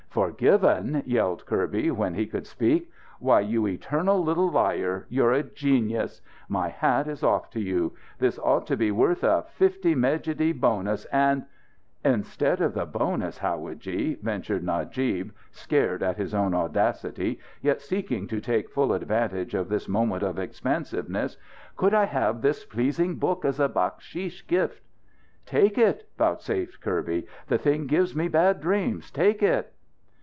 "Forgiven!" yelled Kirby, when he could speak. "Why, you eternal little liar, you're a genius! My hat is off to you! This ought to be worth a fifty mejidie bonus. And " "Instead of the bonus, howadji," ventured Najib, scared at his own audacity, yet seeking to take full advantage of this moment of expansiveness, "could I have this pleasing book as a baksheesh gift?" "Take it!" vouchsafed Kirby. "The thing gives me bad dreams. Take it!"